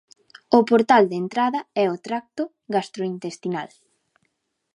O portal de entrada é o tracto gastrointestinal.